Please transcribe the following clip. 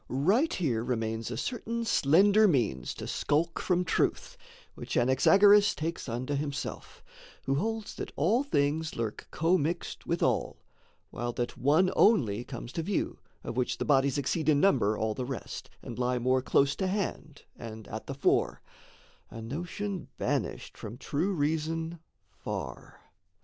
Right here remains A certain slender means to skulk from truth, Which Anaxagoras takes unto himself, Who holds that all things lurk commixed with all While that one only comes to view, of which The bodies exceed in number all the rest, And lie more close to hand and at the fore A notion banished from true reason far.